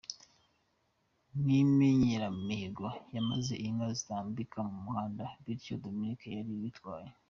ryInyemeramihigo maze inka zitambika mu muhanda bityo Dominic wari utwaye.